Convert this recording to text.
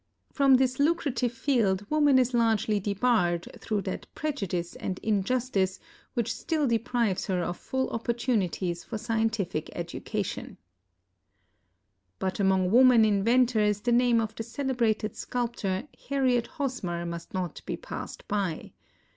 Prom this lucrative field woman is largely debarred through that prejudice and injustice which still deprives her of full opportunities for scientific education, t But among woman inventors the name of the celebrated sculptor, Harriet Hosmer, must not be passed by.